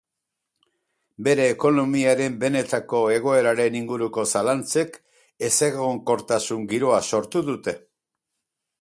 Bere ekonomiaren benetako egoeraren inguruko zalantzek ezegonkortasun giroa sortu dute.